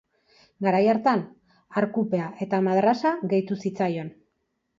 Garai hartan, arkupea eta madrasa gehitu zitzaion.